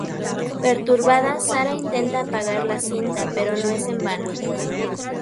Perturbada, Sarah intenta apagar la cinta pero es en vano.